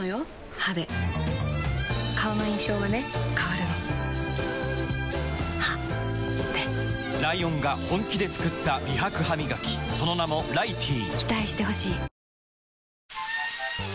歯で顔の印象はね変わるの歯でライオンが本気で作った美白ハミガキその名も「ライティー」